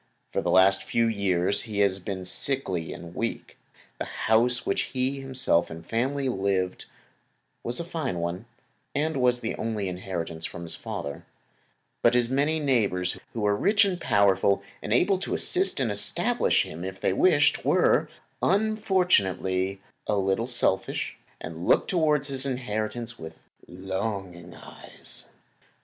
For the last few years he was sickly and weak. The house in which he himself and family lived was a fine one, and was the only inheritance from his father; but his many neighbors, who were rich and powerful, and able to assist and establish him if they wished, were, unfortunately, a little selfish, and looked toward his inheritance with longing eyes.